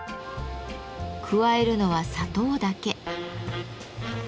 加えるのは砂糖だけ。